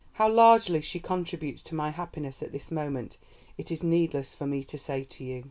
How largely she contributes to my happiness at this moment it is needless for me to say to you."